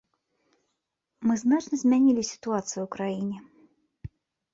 Мы значна змянілі сітуацыю ў краіне.